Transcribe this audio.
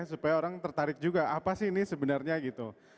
supaya orang tertarik juga apa sih ini sebenarnya gitu